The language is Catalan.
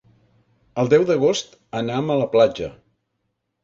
El deu d'agost anam a la platja.